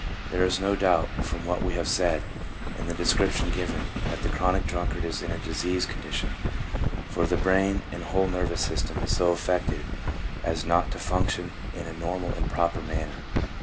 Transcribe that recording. There is no doubt from what we have said, and the description given, that the chronic drunkard is in a diseased condition, for the brain and whole nervous system is so affected as not to function in a normal and proper manner.